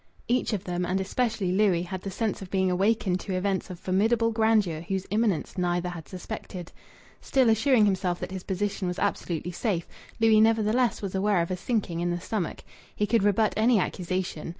Each of them and especially Louis had the sense of being awakened to events of formidable grandeur whose imminence neither had suspected. Still assuring himself that his position was absolutely safe, Louis nevertheless was aware of a sinking in the stomach. He could rebut any accusation.